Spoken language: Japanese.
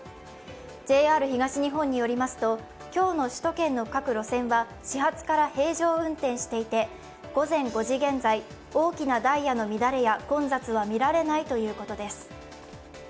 ＪＲ東日本によりますと、今日の首都圏の各路線は始発から平常運転していて午前５時現在、大きなダイヤの乱れや混雑はみられないということです。